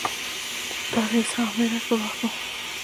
دا د اسرا او معراج پر وخت و.